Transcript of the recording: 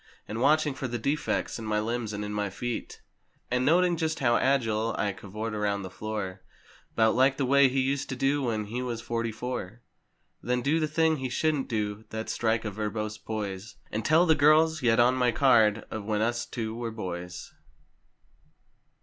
And watching for the defects in my limbs and in my feet, And noting just how agile I cavort around the floor. 53 'Bout like the way he used to do when he was forty four, Then do the thing he shouldn't do—that's strike a verbose poise, And tell the girls—yet on my card—of "When us two were boys."